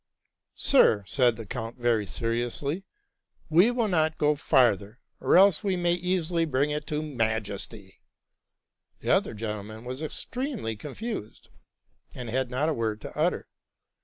'?—'* Sir,'' said the count very seriously, '' we will not go farther, or else we may easily bring it to Majesty.'' The other gentle man was extremely confused, and had not a word to utter.